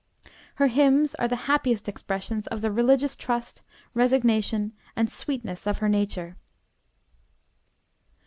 Her hymns are the happiest expressions of the religious trust, resignation, and sweetness of her nature.